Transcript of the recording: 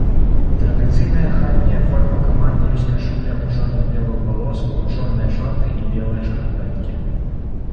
Традыцыйная хатняя форма каманды ёсць кашуля ў чорна-белую палоску, чорныя шорты і белыя шкарпэткі.